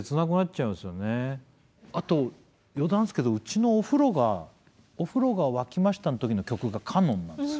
あと余談っすけどうちのお風呂が沸きましたの時の曲が「カノン」なんです。